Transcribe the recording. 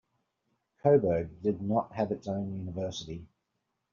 Coburg did not have its own university.